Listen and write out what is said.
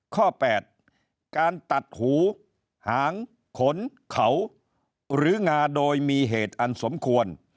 ข้อ๘การตัดหูหางขนเขาหรืองาโดยมีเหตุอันสมควร